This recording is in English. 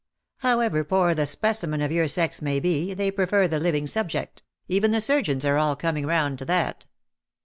^^ How ever poor the specimen of your sex may be, they prefer the living subject — even the surgeons are all coming round to that.''